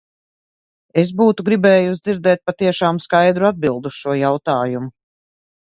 Es būtu gribējusi dzirdēt patiešām skaidru atbildi uz šo jautājumu.